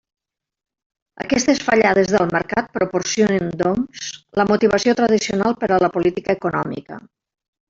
Aquestes fallades del mercat proporcionen, doncs, la motivació tradicional per a la política econòmica.